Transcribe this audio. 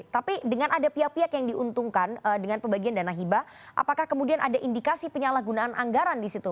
tapi dengan ada pihak pihak yang diuntungkan dengan pembagian dana hibah apakah kemudian ada indikasi penyalahgunaan anggaran di situ